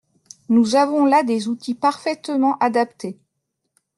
Nous avons là des outils parfaitement adaptés.